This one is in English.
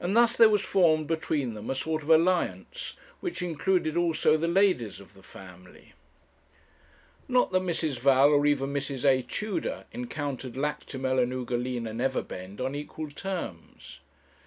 And thus there was formed between them a sort of alliance, which included also the ladies of the family. Not that Mrs. Val, or even Mrs. A. Tudor, encountered Lactimel and Ugolina Neverbend on equal terms.